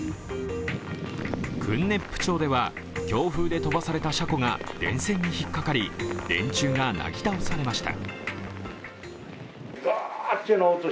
訓子府町では、強風で飛ばされた車庫が電線に引っかかり電柱がなぎ倒されました。